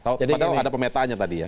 padahal ada pemetaannya tadi ya